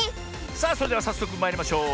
さあそれではさっそくまいりましょう。